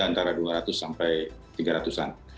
antara dua ratus sampai tiga ratus an